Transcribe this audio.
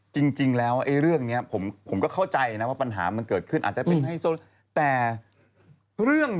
จริงแล้วไอ้เรื่องนี้ผมก็เข้าใจนะว่าปัญหามันเกิดขึ้น